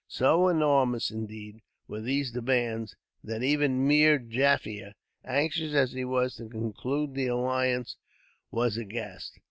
So enormous, indeed, were these demands, that even Meer Jaffier, anxious as he was to conclude the alliance, was aghast.